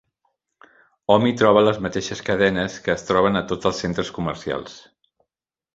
Hom hi troba les mateixes cadenes que es troben a tots els centres comercials.